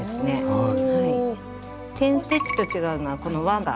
はい。